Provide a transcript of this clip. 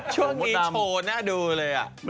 ช่วงนี้โชว์น่าดูเลยอ่ะ